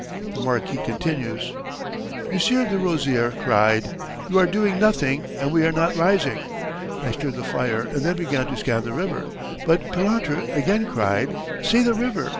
The Marquis continues: M. de Rozier cried: "You are doing nothing, and we are not rising." I stirred the fire and then began to scan the river, but Pilatre again cried: "See the river.